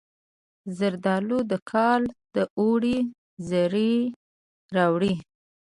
زردالو د کال د اوړي زیری راوړي.